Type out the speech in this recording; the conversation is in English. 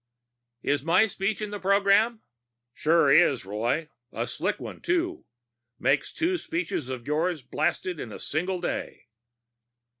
"Is my speech in the program?" "Sure is, Roy. A slick one, too. Makes two speeches of yours blasted in a single day."